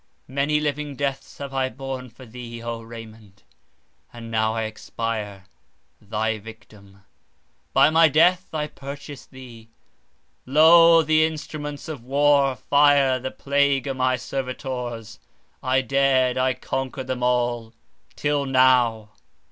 Many living deaths have I borne for thee, O Raymond, and now I expire, thy victim!—By my death I purchase thee— lo! the instruments of war, fire, the plague are my servitors. I dared, I conquered them all, till now!